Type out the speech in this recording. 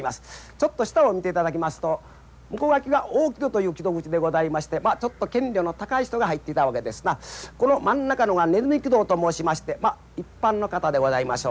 ちょっと下を見ていただきますと向こう脇は大木戸という木戸口でございましてちょっと見料の高い人が入っていたわけですがこの真ん中のが鼠木戸と申しまして一般の方でございましょうか。